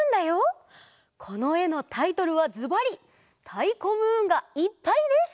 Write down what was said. このえのタイトルはずばり「たいこムーンがいっぱい」です！